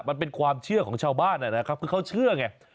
มันเป็นความเชื่อของชาวบ้านนะครับคือเขาเชื่อไง